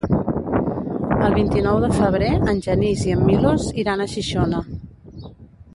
El vint-i-nou de febrer en Genís i en Milos iran a Xixona.